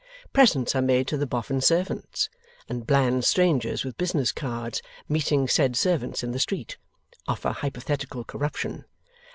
Presents are made to the Boffin servants, and bland strangers with business cards meeting said servants in the street, offer hypothetical corruption.